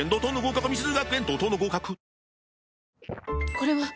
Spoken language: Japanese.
これはっ！